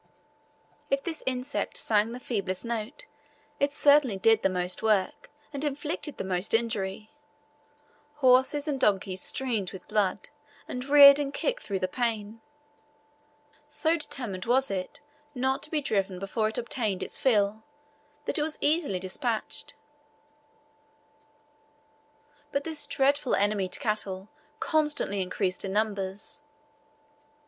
If this insect sang the feeblest note, it certainly did the most work, and inflicted the most injury. Horses and donkeys streamed with blood, and reared and kicked through the pain. So determined was it not to be driven before it obtained its fill, that it was easily despatched; but this dreadful enemy to cattle constantly increased in numbers.